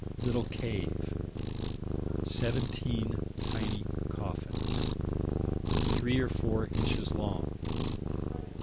Little cave. Seventeen tiny coffins. Three or four inches long.